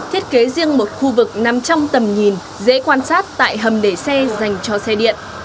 thiết kế riêng một khu vực nằm trong tầm nhìn dễ quan sát tại hầm để xe dành cho xe điện